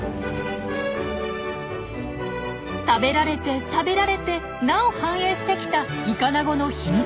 食べられて食べられてなお繁栄してきたイカナゴの秘密。